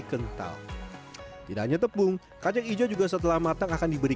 selalu dianggarkan selamat sehat dan sehat